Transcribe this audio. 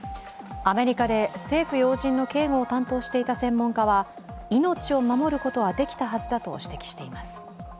アメリカで政府要人の警護を担当していた専門家は命を守ることはできたはずだと指摘しています。